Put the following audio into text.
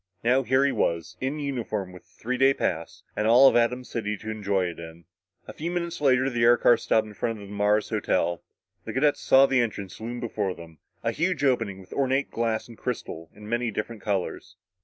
Now here he was in uniform, with a three day pass, and all of Atom City to enjoy it in. A few minutes later the air car stopped in front of the Mars Hotel. The cadets saw the entrance loom before them a huge opening, with ornate glass and crystal in many different colors.